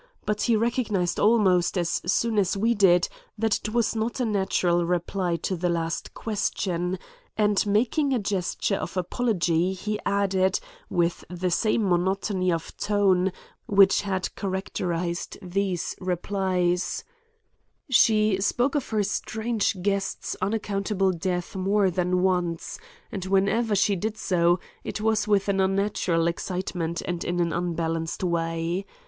But he recognized almost as soon as we did that it was not a natural reply to the last question, and, making a gesture of apology, he added, with the same monotony of tone which had characterized these replies: "She spoke of her strange guest's unaccountable death more than once, and whenever she did so, it was with an unnatural excitement and in an unbalanced way.